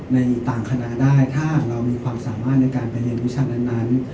ในต่างคณะได้ถ้าเรามีความสามารถในการไปเรียนวิชานั้น